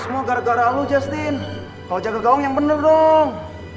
semua gara gara lu justin kau jaga gaung yang bener dong